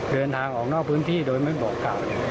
เดินทางออกนอกพื้นที่โดยไม่โปรดการ